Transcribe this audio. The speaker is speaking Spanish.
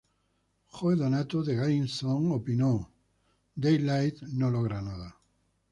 Joe Donato de GameZone opinó "Daylight no logra nada.